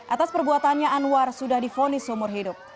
atas perbuatannya anwar sudah difonis seumur hidup